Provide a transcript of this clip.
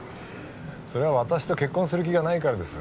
それは私と結婚する気がないからです